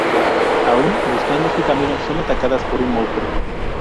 Aún buscando su camino, son atacadas por un monstruo.